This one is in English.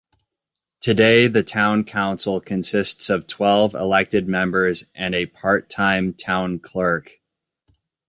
Today the town council consists of twelve elected members and a part-time town clerk.